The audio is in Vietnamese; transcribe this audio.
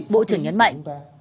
bộ trưởng nhấn mạnh